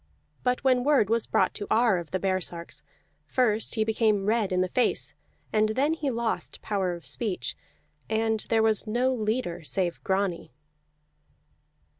But when word was brought to Ar of the baresarks, first he became red in the face, and then he lost power of speech, and there was no leader save Grani.